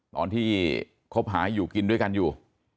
ตอนที่คบหาอยู่กินด้วยกันอยู่